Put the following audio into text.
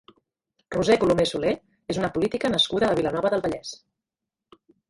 Roser Colomé Soler és una política nascuda a Vilanova del Vallès.